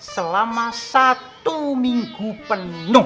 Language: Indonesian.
selama satu minggu penuh